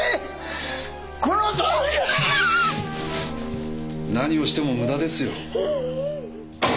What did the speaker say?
このとおりだ！何をしても無駄ですよ。